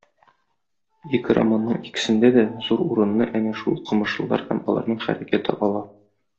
Ике романның икесендә дә зур урынны әнә шул укымышлылар һәм аларның хәрәкәте ала.